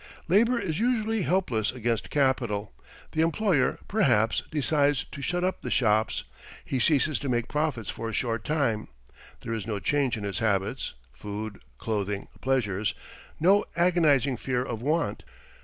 Labor is usually helpless against capital. The employer, perhaps, decides to shut up the shops; he ceases to make profits for a short time. There is no change in his habits, food, clothing, pleasures no agonizing fear of want.